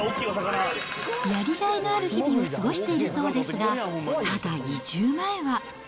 やりがいのある日々を過ごしているそうですが、ただ移住前は。